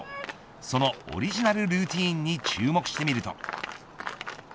そのオリジナルルーティンに注目してみると。